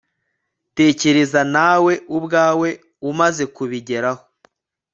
Tekereza nawe ubwawe umaze kubigeraho